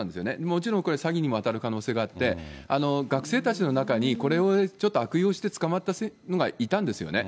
もちろんこれ、詐欺にも当たる可能性があって、学生たちの中に、これをちょっと悪用して捕まったのがいたんですよね。